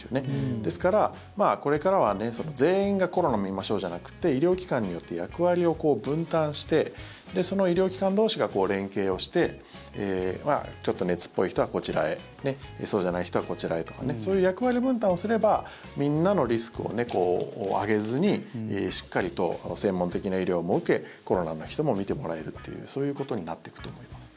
ですから、これからは全員がコロナ診ましょうじゃなくて医療機関によって役割を分担してその医療機関同士が連携をしてちょっと熱っぽい人はこちらへそうじゃない人はこちらへとかそういう役割分担をすればみんなのリスクを上げずにしっかりと専門的な医療も受けコロナの人も診てもらえるっていうそういうことになっていくと思います。